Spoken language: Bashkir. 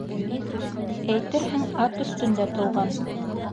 Әйтерһең, ат өҫтөндә тыуған.